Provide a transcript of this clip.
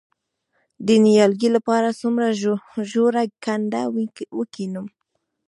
د نیالګي لپاره څومره ژوره کنده وکینم؟